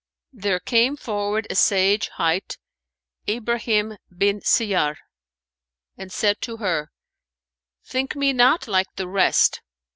There came forward a sage hight Ibrahim bin Siyyαr and said to her, "Think me not like the rest."